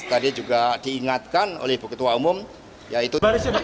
tadi juga diingatkan oleh ibu ketua umum yaitu